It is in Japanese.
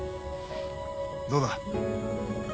どうだ？